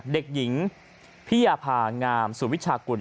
เด็กหญิงพิยาภางามสุวิชากุล